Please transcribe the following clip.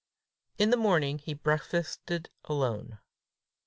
In the morning he breakfasted alone.